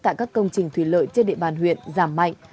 tại các công trình thủy lợi trên địa bàn huyện giảm mạnh